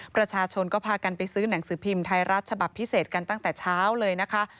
ประชาชนก็พากันไปซื้อหนังสือพิมพ์ไทยรัฐฉบับพิเศษกันตั้งแต่เช้าเลยนะคะ